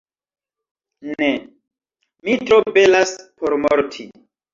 Ne! Mi tro belas por morti.